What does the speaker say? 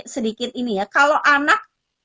sedikit ini ya kalau anak